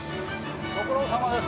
ご苦労さまです。